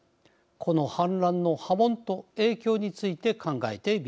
この反乱の波紋と影響について考えてみます。